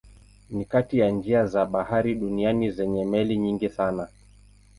Ni kati ya njia za bahari duniani zenye meli nyingi sana.